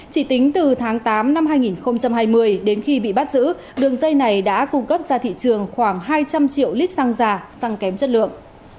chỉ tính từ tháng tám năm hai nghìn hai mươi đến khi bị bắt giữ đường dây này đã cung cấp ra thị trường khoảng hai trăm linh triệu lít xăng giả xăng kém chất lượng